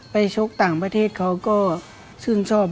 ชกต่างประเทศเขาก็ชื่นชอบ